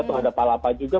atau ada palapa juga